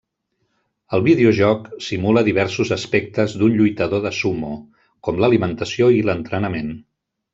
El videojoc simula diversos aspectes d'un lluitador de Sumo, com l'alimentació i l'entrenament.